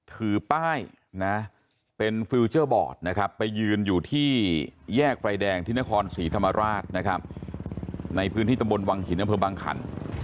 ถือป้ายเป็นฟิลเจอร์บอร์ดไปยืนอยู่ที่แยกไฟแดงทิณครศรีธรรมราชในพื้นที่ตำบลวังหินบางขัน